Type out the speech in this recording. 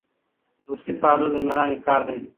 دوستي پالل د میړانې کار دی.